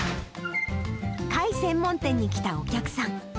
貝専門店に来たお客さん。